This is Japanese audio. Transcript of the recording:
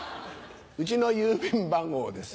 うちの郵便番号です。